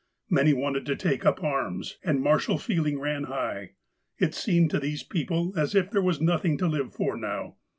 Many wanted to take up arms, and martial feeling ran high. It seemed to these people as if there was nothing to live for now.